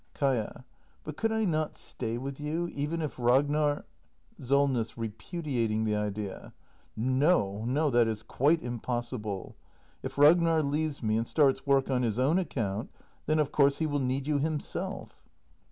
Kaia. But could I not stay with you, even if Ragnar ? SOLNESS. [Repudiating the idea.] No, no, that is quite impos sible. If Ragnar leaves me and starts work on his own account, then of course he will need you himself.